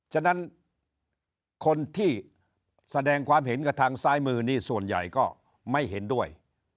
ฉะนั้นคนที่แสดงความเห็นกับทางซ้ายมือนี่ส่วนใหญ่ก็ไม่เห็นด้วย